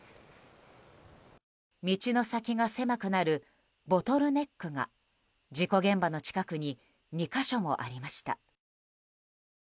道の先が狭くなるボトルネックが事故現場の近くに２か所もありました。